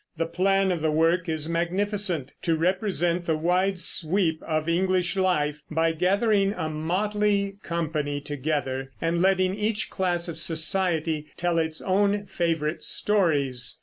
The plan of the work is magnificent: to represent the wide sweep of English life by gathering a motley company together and letting each class of society tell its own favorite stories.